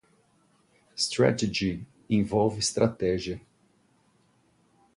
Strategy envolve estratégia.